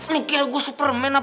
lu kira gue superman apa